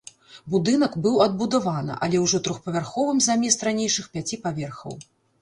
Будынак быў адбудавана, але ўжо трохпавярховым замест ранейшых пяці паверхаў.